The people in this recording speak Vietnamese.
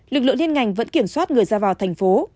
lực lượng liên ngành vẫn kiểm soát người ra vào thành phố